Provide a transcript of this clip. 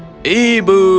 kau sudah tiba